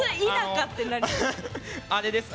あれです